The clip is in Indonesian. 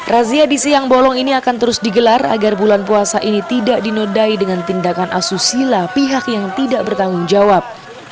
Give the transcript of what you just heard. razia di siang bolong ini akan terus digelar agar bulan puasa ini tidak dinodai dengan tindakan asusila pihak yang tidak bertanggung jawab